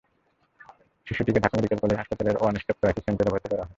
শিশুটিকে Dhaka medical college হাসপাতালের one stop crisis সেন্টারে ভর্তি করা হয়েছে।